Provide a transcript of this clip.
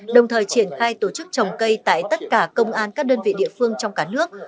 đồng thời triển khai tổ chức trồng cây tại tất cả công an các đơn vị địa phương trong cả nước